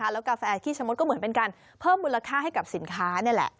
แล้วกาแฟขี้ชะมดก็เหมือนเป็นการเพิ่มมูลค่าให้กับสินค้านี่แหละ